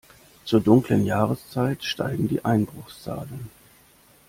Zur dunklen Jahreszeit steigen die Einbruchszahlen.